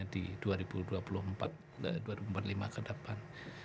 di dua ribu empat puluh lima ke depan